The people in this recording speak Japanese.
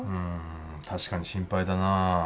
確かに心配だな。